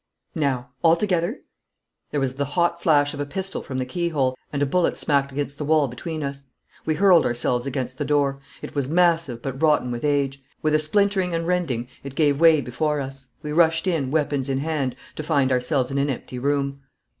Now, all together?' There was the hot flash of a pistol from the keyhole, and a bullet smacked against the wall between us. We hurled ourselves against the door. It was massive, but rotten with age. With a splintering and rending it gave way before us. We rushed in, weapons in hand, to find ourselves in an empty room.